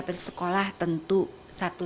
pergi sekolah tentu satu